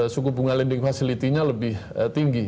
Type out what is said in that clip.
suku bunga lending facility nya lebih tinggi